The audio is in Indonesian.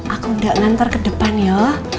aku gak nantar ke depan ya